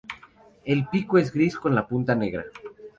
El pico es gris con la punta negra.